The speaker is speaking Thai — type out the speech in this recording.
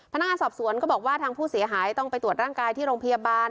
พนักงานสอบสวนก็บอกว่าทางผู้เสียหายต้องไปตรวจร่างกายที่โรงพยาบาล